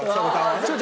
ちょっと。